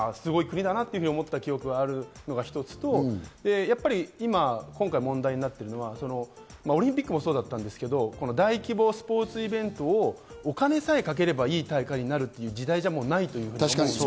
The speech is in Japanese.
すごい国だなと思った記憶があるのが一つと、今回問題になっているのは、オリンピックもそうだったんですけど、大規模スポーツイベントをお金さえかければいい大会になるという時代じゃないと思うんです。